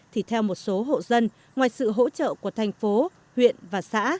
thì theo một số hộ dân ngoài sự hỗ trợ của thành phố huyện và xã